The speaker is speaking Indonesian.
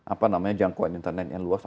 apa namanya jangkauan internet yang luas